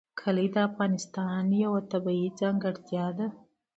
کلي د افغانستان یوه طبیعي ځانګړتیا ده.